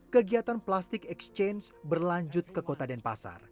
kegiatan plastik exchange berlanjut ke kota denpasar